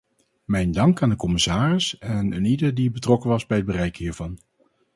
Mijn dank aan de commissaris en eenieder die betrokken was bij het bereiken hiervan.